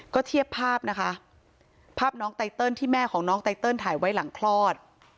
ก็เทียบภาพนะคะภาพน้องไตเติลที่แม่ของน้องไตเติลถ่ายไว้หลังคลอด